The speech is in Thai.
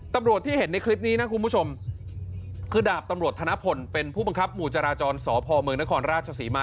ตำรวจที่เห็นในคลิปนี้นะคุณผู้ชมคือดาบตำรวจธนพลเป็นผู้บังคับหมู่จราจรสพเมืองนครราชศรีมา